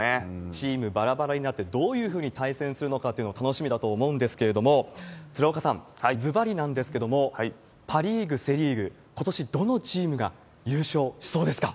チームばらばらになって、どういうふうに対戦するのかというのは楽しみだと思うんですけれども、鶴岡さん、ずばりなんですけれども、パ・リーグ、セ・リーグ、ことし、どのチームが優勝しそうですか。